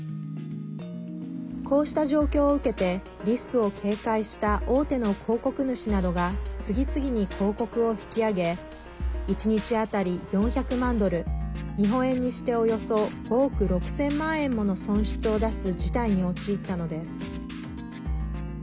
こうした状況を受けてリスクを警戒した大手の広告主などが次々に広告を引き揚げ１日当たり４００万ドル日本円にしておよそ５億６０００万円もの損失を出す事態に陥ったのです。